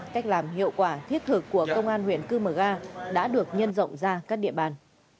cách làm hiệu quả thiết thực của công an huyện cư mờ ga đã được nhân rộng ra các địa bàn